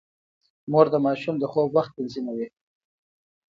مور د ماشوم د خوب وخت تنظيموي.